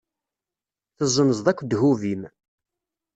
Tezzenzeḍ akk ddhub-im.